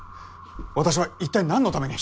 私は一体なんのために。